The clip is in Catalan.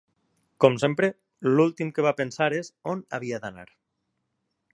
Com sempre, l'últim que va pensar és on havia d'anar.